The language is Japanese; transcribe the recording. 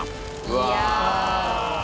いや！